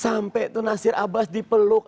sampai tuh nasir abbas dipeluk